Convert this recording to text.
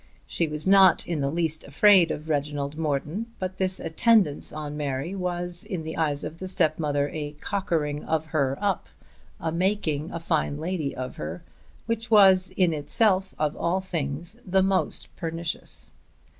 She was not in the least afraid of Reginald Morton; but this attendance on Mary was in the eyes of her stepmother a cockering of her up, a making a fine lady of her, which was in itself of all things the most pernicious.